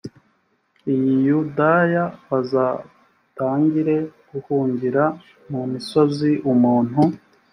i yudaya bazatangire guhungira m mu misozi umuntu